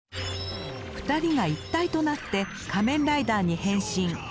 ２人が一体となって仮面ライダーに変身。